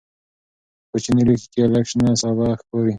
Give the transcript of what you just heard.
په کوچني لوښي کې لږ شنه سابه ښکاري.